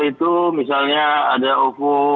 digital itu misalnya ada ovo